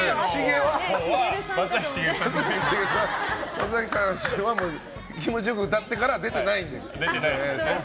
松崎さんは気持ちよく歌ってから出てないので。